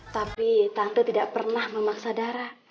tapi tante tidak pernah memaksa darah